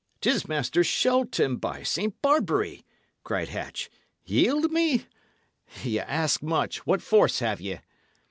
"'Tis Master Shelton, by St. Barbary!" cried Hatch. "Yield me? Ye ask much. What force have ye?"